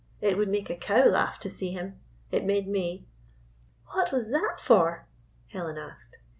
It would make a cow laugh to see him. It made me." " What was that for ?" Helen asked.